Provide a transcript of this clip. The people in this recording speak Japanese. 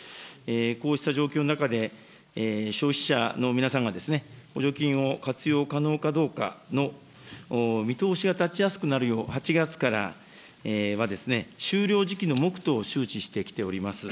こうした状況の中で、消費者の皆さんが補助金を活用可能かどうかの見通しが立ちやすくなるよう、８月からは、終了時期の目途を周知してきております。